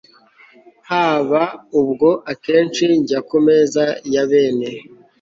Haba ubwo akenshi njya ku meza ya bene